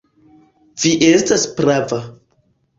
Vi estas prava.